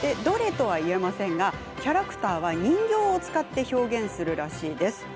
どれとは言えませんがキャラクターは人形を使って表現するらしいです。